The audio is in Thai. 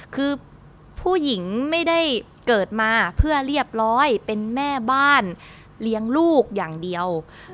คือผู้หญิงไม่ได้เกิดมาเพื่อเรียบร้อยเป็นแม่บ้านเลี้ยงลูกอย่างเดียว